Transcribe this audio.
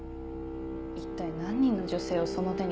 一体何人の女性をその手に。